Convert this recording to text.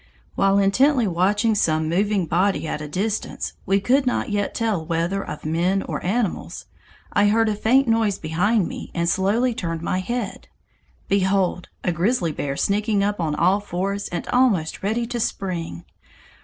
While intently watching some moving body at a distance, we could not yet tell whether of men or animals, I heard a faint noise behind me and slowly turned my head. Behold! a grizzly bear sneaking up on all fours and almost ready to spring!